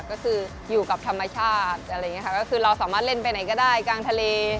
ก็คืออยู่กับธรรมชาติอะไรอย่างนี้ค่ะก็คือเราสามารถเล่นไปไหนก็ได้กลางทะเล